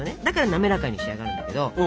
だから滑らかに仕上がるんだけど。